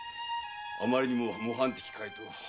あまりにも模範的回答